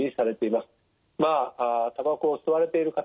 まあたばこを吸われている方